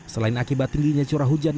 selain akibat tingginya curah hujan